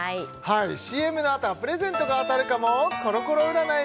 ＣＭのあとはプレゼントが当たるかもコロコロ占い